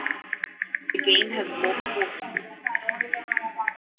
The game has multiple endings.